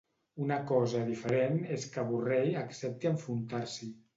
Una cosa diferent és que Borrell accepti enfrontar-s'hi .